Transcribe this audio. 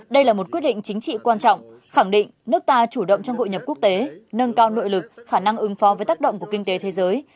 đây là một quyết định chính trị quan trọng khẳng định nước ta chủ động trong hội nhập quốc tế nâng cao nội lực khả năng ứng phó với tác động của kinh tế thế giới